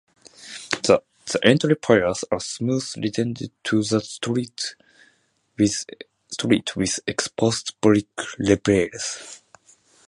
The entry piers are smooth rendered to the street with exposed brick reveals.